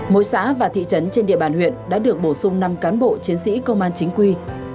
mỗi xã và thị trấn trên địa bàn huyện đã được bổ sung năm cán bộ chiến sĩ công an chính quy